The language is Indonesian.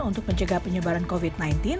untuk mencegah penyebaran covid sembilan belas